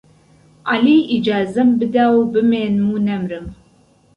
عهلی ئیجازەم بدا و بمێنم و نهمرم